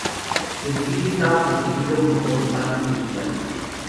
El sitio estaba protegido por dos paredes circulares.